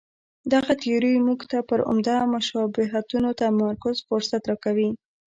دغه تیوري موږ ته پر عمده مشابهتونو تمرکز فرصت راکوي.